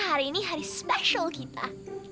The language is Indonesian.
hari ini hari spesial kita